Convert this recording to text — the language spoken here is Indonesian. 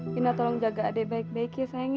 pina tolong jaga adik baik baik ya sayangnya